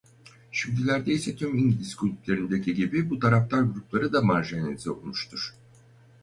Şimdilerde ise tüm İngiliz kulüplerindeki gibi bu taraftar grupları da marjinalize olmuştur.